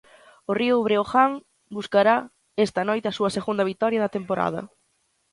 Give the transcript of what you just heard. O Río Breogán buscará esta noite a súa segunda vitoria da temporada.